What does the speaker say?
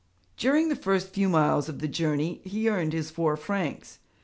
During the first few miles of the journey he earned his four francs.